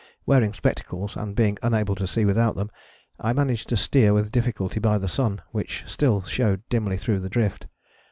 Wearing spectacles, and being unable to see without them, I managed to steer with difficulty by the sun which still showed dimly through the drift.